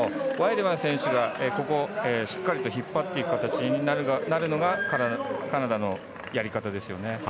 ワイデマン選手がここをしっかりと引っ張っていく形になるのがカナダのやり方ですよね。